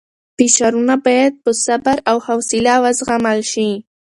فشارونه باید په صبر او حوصله وزغمل شي.